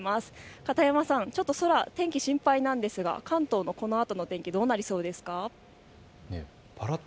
片山さん、空の天気、心配なんですが関東のこのあとの天気はどうなりそうですか。